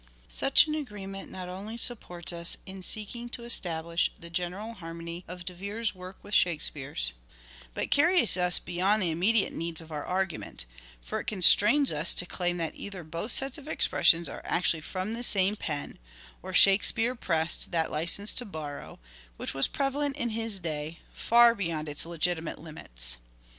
Such an agreement not only supports us in seeking to establish the general harmony of De Vere's work with Shakespeare's, but carries us beyond the imme diate needs of our argument ; for it constrains us to claim that either both sets of expressions are actually from the same pen, or " Shakespeare " pressed that licence to borrow, which was prevalent in his day, far beyond its legitimate limits.